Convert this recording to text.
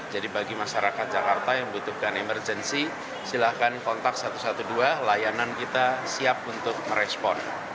jadi bagi masyarakat jakarta yang membutuhkan emergensi silakan kontak satu satu dua layanan kita siap untuk merespon